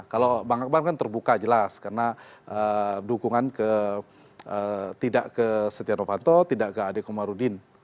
kalau bang akbar kan terbuka jelas karena dukungan tidak ke setia novanto tidak ke adekomarudin